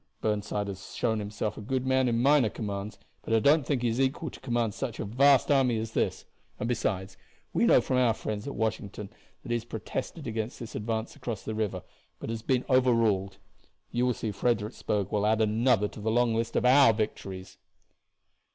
Burnside has shown himself a good man in minor commands, but I don't think he is equal to command such a vast army as this; and besides, we know from our friends at Washington that he has protested against this advance across the river, but has been overruled. You will see Fredericksburg will add another to the long list of our victories."